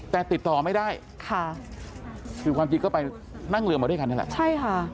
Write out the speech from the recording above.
แต่ติดต่อไม่ได้ค่ะคือความจริงก็ไปนั่งเรือมาด้วยกันนี่แหละใช่ค่ะ